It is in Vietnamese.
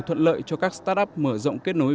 thuận lợi cho các startup mở rộng kết nối